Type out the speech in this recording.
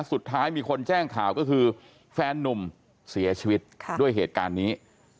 สุดท้ายมีคนแจ้งข่าวก็คือแฟนนุ่มเสียชีวิตด้วยเหตุการณ์นี้